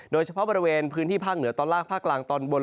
โดยเฉพาะบริเวณพื้นที่ภาคเหนือตอนล่างภาคกลางตอนบน